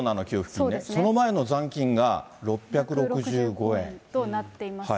その前の残金が６６５円。となっています。